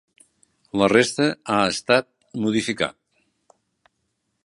La resta ha estat modificat.